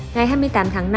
ngày hai mươi tám tháng năm